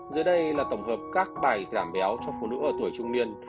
dưới đây là tổng hợp các bài giảm béo cho phụ nữ ở tuổi trung niên